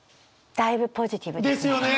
だいぶポジティブですね。